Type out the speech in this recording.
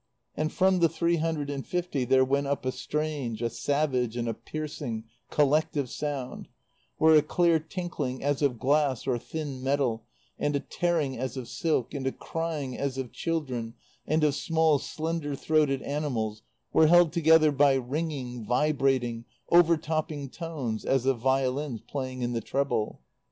And from the three hundred and fifty there went up a strange, a savage and a piercing collective sound, where a clear tinkling as of glass or thin metal, and a tearing as of silk, and a crying as of children and of small, slender throated animals were held together by ringing, vibrating, overtopping tones as of violins playing in the treble.